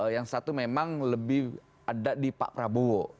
yang satu memang lebih ada di pak prabowo